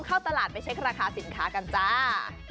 เข้าตลาดไปเช็คราคาสินค้ากันจ้า